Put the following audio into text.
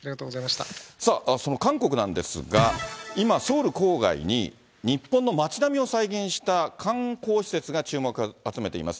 その韓国なんですが、今、ソウル郊外に、日本の街並みを再現した観光施設が注目を集めています。